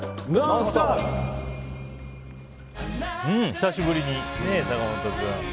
久しぶりに坂本君。